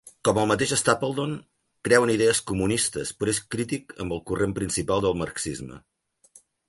Com el mateix Stapledon, creu en idees comunistes però és crític amb el corrent principal del marxisme.